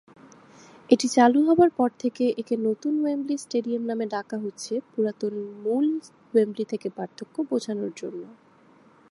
এটি চালু হবার পর থেকে একে "নতুন ওয়েম্বলি স্টেডিয়াম" নামে ডাকা হচ্ছে পুরাতন মূল ওয়েম্বলি থেকে পার্থক্য বোঝানোর জন্য।